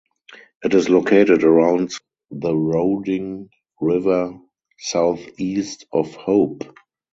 It is located around the Roding River southeast of Hope.